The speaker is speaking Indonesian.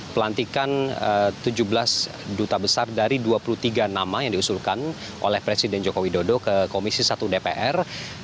pelantikan tujuh belas duta besar dari dua puluh tiga nama yang diusulkan oleh presiden joko widodo ke komisi satu dpr